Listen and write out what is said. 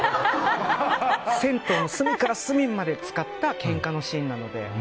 銭湯を隅から隅まで使ったけんかのシーンなので。